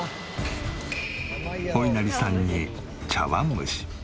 おいなりさんに茶わん蒸し。